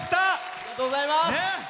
ありがとうございます。